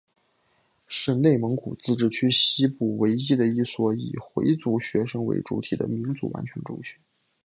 是内蒙古自治区西部区唯一的一所以回族学生为主体的民族完全中学。